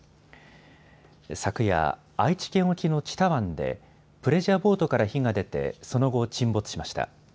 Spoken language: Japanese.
昨夜、愛知県沖の知多湾でプレジャーボートから火が出てその後、沈没しました。